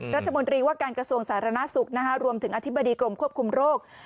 รัฐมนตรีว่าการกระทรวงสาธารณสุขรวมถึงอธิบดีกรมควบคุมโรค